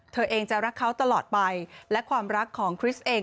เธอเองจะรักเขาตลอดไปและความรักของคริสเอง